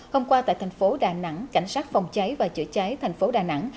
hôm qua tại thành phố đà nẵng cảnh sát phòng cháy và chữa cháy thành phố đà nẵng